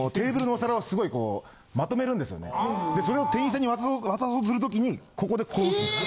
それを店員さんに渡そうとする時にここでこぼすんですよ。